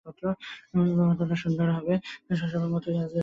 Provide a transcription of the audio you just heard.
তুমি কতটা সুন্দর হবে, আমার বিশ্বাস শৈশবের মতোই তুমি, আজও সুন্দরই আছো।